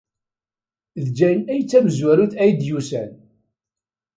D Jane ay d tamezwarut ay d-yusan.